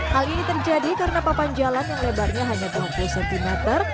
hal ini terjadi karena papan jalan yang lebarnya hanya dua puluh cm harus ditempuh sepanjang tiga belas meter